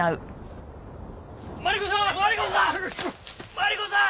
マリコさん！